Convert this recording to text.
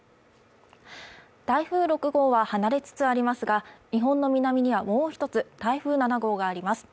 台風６号は離れつつありますが日本の南にはもう１つ台風７号があります